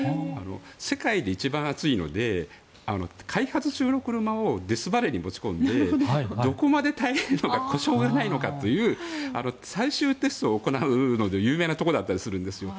世界で一番暑いので開発中の車をデスバレーに持ち込んでどこまで耐えれるのか故障がないのかという最終テストを行うので有名なところなんですよ。